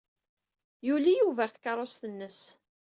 Yuli Yuba ɣer tkeṛṛust-nnes.